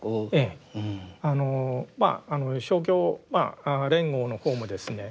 あのまあ勝共連合の方もですね